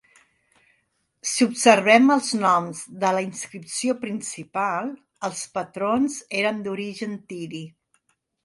Si observem els noms de la inscripció principal, els patrons eren d'origen tiri.